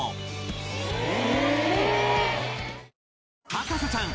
『博士ちゃん』